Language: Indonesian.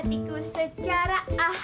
hatiku secara ah ha ah ha